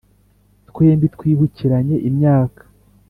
Twembi twibukiranye imyaka